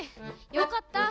よかった。